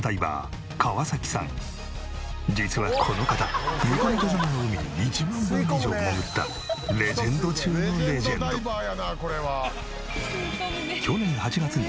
実はこの方神子元島の海に１万回以上潜ったレジェンド中のレジェンド。に成功。